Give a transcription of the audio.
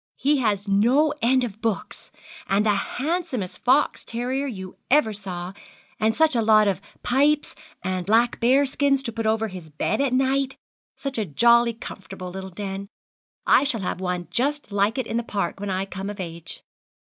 He has no end of books, and the handsomest fox terrier you ever saw and such a lot of pipes, and black bear skins to put over his bed at night such a jolly comfortable little den! I shall have one just like it in the park when I come of age.'